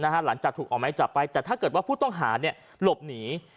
หลังจากถูกออกไม้จับไปแต่ถ้าเกิดว่าผู้ต้องหาหลบหนี